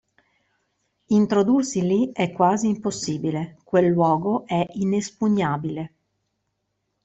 Introdursi lì è quasi impossibile, quel luogo è inespugnabile.